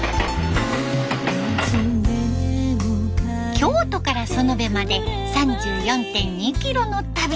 京都から園部まで３４．２キロの旅。